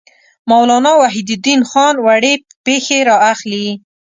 مولانا وحیدالدین خان وړې پېښې را اخلي.